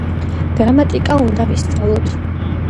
გრამატიკა უნდა ვისწავლოთ.